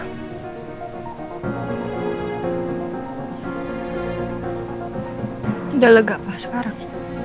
udah lega pak sekarang